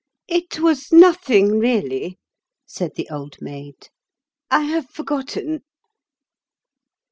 "It was nothing, really," said the Old Maid; "I have forgotten."